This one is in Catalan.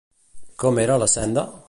Com era la senda?